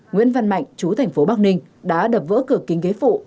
nguyễn văn mạnh chú thành phố bắc ninh đã đập vỡ cửa kính ghế phụ